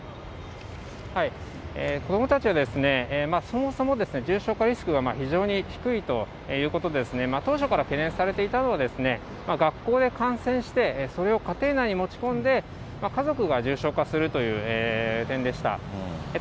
子どもたちはそもそも重症化リスクが非常に低いということで、当初から懸念されていたのは、学校で感染して、それを家庭内に持ち込んで、家族が重症化するという点でした。